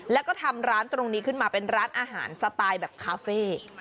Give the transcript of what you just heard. แล้วก็ทำร้านตรงนี้ขึ้นมาเป็นร้านอาหารสไตล์แบบคาเฟ่